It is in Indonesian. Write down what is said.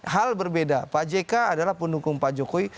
hal berbeda pak jk adalah pendukung pak jokowi